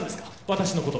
私のことを。